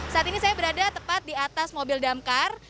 saat ini saya berada tepat di atas mobil damkar